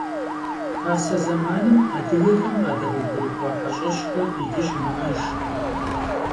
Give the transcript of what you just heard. Pase zemanım adıgexem khadeğuegurık'ua heş'eşxer yicı şımı'ejj.